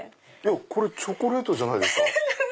これチョコレートじゃないですか？